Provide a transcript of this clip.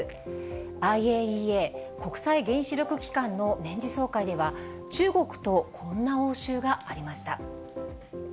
ＩＡＥＡ・国際原子力機関の年次総会では、中国とこんな応酬がありました。